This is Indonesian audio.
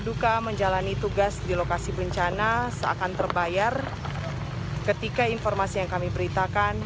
duka menjalani tugas di lokasi bencana seakan terbayar ketika informasi yang kami beritakan